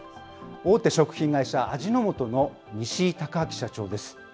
大手食品会社、味の素の西井孝明社長です。